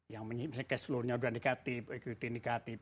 yang misalnya cash flow nya udah negatif equity negatif